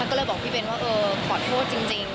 ก็เลยบอกพี่เบ้นว่าเออขอโทษจริง